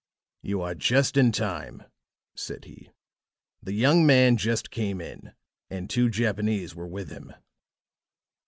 "You are just in time," said he. "The young man just came in, and two Japanese were with him."